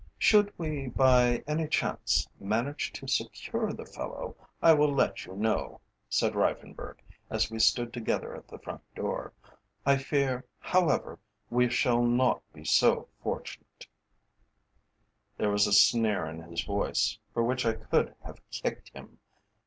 "Should we by any chance manage to secure the fellow, I will let you know," said Reiffenburg, as we stood together at the front door. "I fear, however, we shall not be so fortunate." There was a sneer in his voice, for which I could have kicked him.